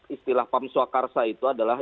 istilah pam swakarsa itu adalah